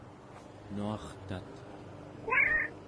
nuartat